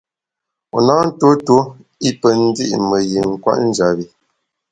Wu na ntuo tuo i pe ndi’ me yin kwet njap bi.